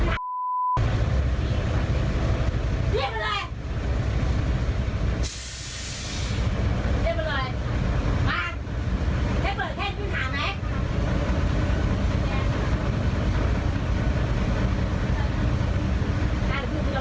ไม่ต้องแคบโตไม่พิเศษหรอกเขาเปิดเท่านั้นแหละ